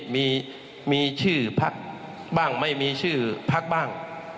มีชื่อพักบ้างไม่มีชื่อพักบ้าง